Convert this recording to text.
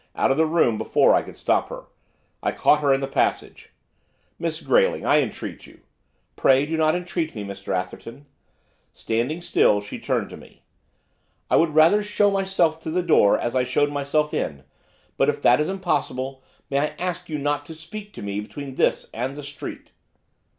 out of the room before I could stop her. I caught her in the passage. 'Miss Grayling, I entreat you ' 'Pray do not entreat me, Mr Atherton.' Standing still she turned to me. 'I would rather show myself to the door as I showed myself in, but, if that is impossible, might I ask you not to speak to me between this and the street?